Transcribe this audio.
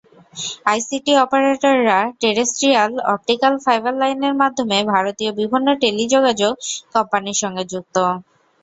ITC অপারেটররা terrestrial optical fibre লাইনের মাধ্যমে ভারতীয় বিভিন্ন টেলিযোগাযোগ কোম্পানির সঙ্গে যুক্ত।